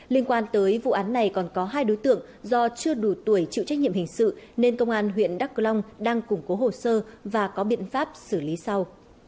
liên quan tới vụ án này còn có hai đối tượng do chưa đủ tuổi chịu trách nhiệm hình sự nên công an huyện đắk long đang củng cố hồ sơ và có biện pháp xử lý sau